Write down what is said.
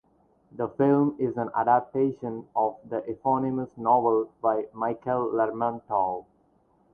The film is an adaptation of the eponymous novel by Mikhail Lermontov.